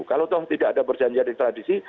kalau toh tidak ada perjanjian ekstradisi